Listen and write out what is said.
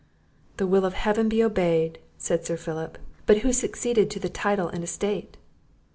"The will of Heaven be obeyed!" said Sir Philip; "but who succeeded to the title and estate?"